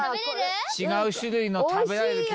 違う種類の食べられるキノコ。